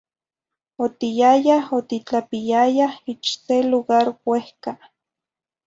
Otiyayah otitlapiyayah ich ce lugar uehca.